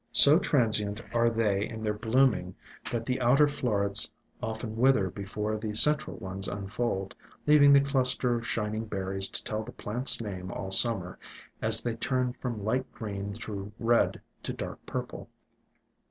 So transient are they in their blooming that the outer florets often wither before the cen tral ones unfold, leaving the cluster of shining ber IN SILENT WOODS 103 ries to tell the plant's name all Summer, as they turn from light green through red to dark purple.